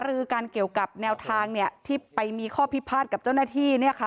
รือกันเกี่ยวกับแนวทางที่ไปมีข้อพิพาทกับเจ้าหน้าที่